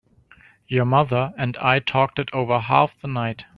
Your mother and I talked it over half the night.